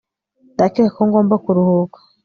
ndakeka ko ngomba kuruhuka